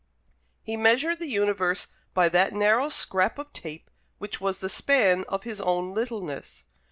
He measured the universe by that narrow scrap of tape which was the span of his own littleness.